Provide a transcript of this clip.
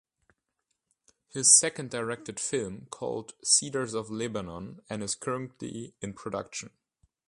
His second directed film called Cedars of Lebanon and is currently in production.